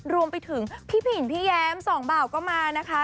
รวมไปถึงพี่ผินพี่แย้มสองบ่าวก็มานะคะ